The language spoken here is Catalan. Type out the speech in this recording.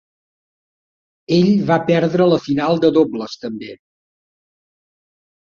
Ell va perdre la final de dobles també.